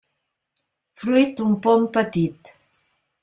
Fruit un pom petit.